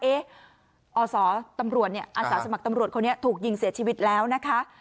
อศตำรวจเนี่ยอาสาสมัครตำรวจคนนี้ถูกยิงเสียชีวิตแล้วนะคะ